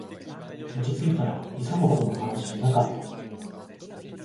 落ちついたら、急ぐほどの話じゃなかった